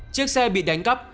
chiếc xe bị đánh cắp